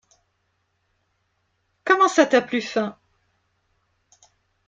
Comment ça t'as plus faim?